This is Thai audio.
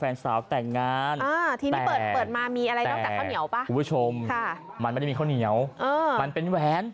มันไม่ได้มีข้าวเนียวมันเป็นแหวน